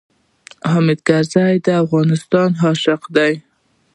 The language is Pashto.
حامد کرزی د افغانستان عاشق دی.